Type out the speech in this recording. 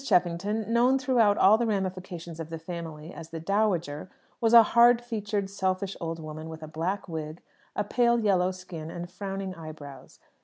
Cheffington, known throughout all the ramifications of the family as "the dowager," was a hard featured, selfish old woman, with a black wig, a pale yellow skin, and frowning eyebrows.